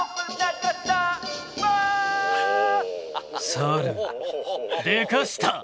猿でかした！